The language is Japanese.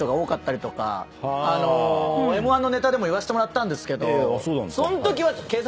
あのＭ−１のネタでも言わせてもらったんですけど。